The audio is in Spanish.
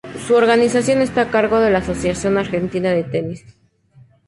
Su organización está a cargo de la Asociación Argentina de Tenis.